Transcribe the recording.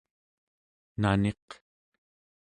naniq